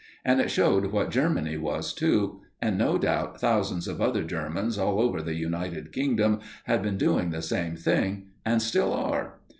And it showed what Germany was, too; and no doubt thousands of other Germans all over the United Kingdom had been doing the same thing, and still are.